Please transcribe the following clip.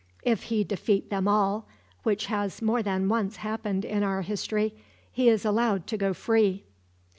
If he defeat them all which has more than once happened in our history he is allowed to go free."